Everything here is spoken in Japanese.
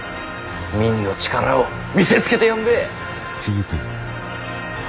民の力を見せつけてやんべぇ。